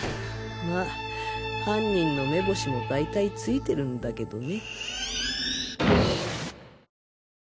まぁ犯人の目星も大体ついてるんだけどね